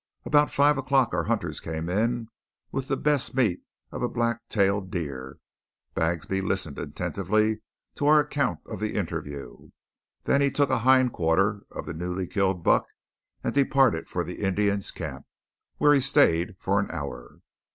About five o'clock our hunters came in with the best meat of a blacktail deer. Bagsby listened attentively to our account of the interview. Then he took a hindquarter of the newly killed buck and departed for the Indians' camp, where he stayed for an hour.